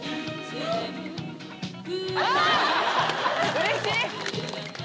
うれしい！